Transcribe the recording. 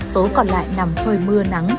số còn lại nằm thời mưa nắng